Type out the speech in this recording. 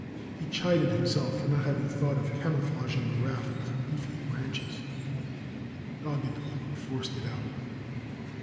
He chided himself for not having thought of camouflaging the raft with leafy branches. Doggedly, he forced it out.